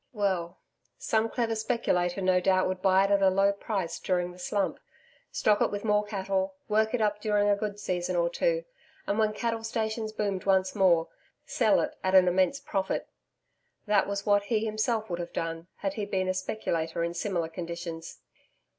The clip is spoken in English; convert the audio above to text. Well, some clever speculator no doubt would buy it at a low price during the Slump, stock it with more cattle, work it up during a good season or two, and, when cattle stations boomed once more, sell it at an immense profit. That was what he himself would have done had he been a speculator in similar conditions.